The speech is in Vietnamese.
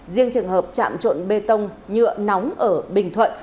riêng trường hợp chạm trộn bê tông nhựa nóng ở bình thuận